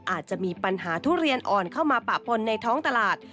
อาจจะมีปัญหาทุเรียนอ่อนเข้ามาปะปนในท้องตลาด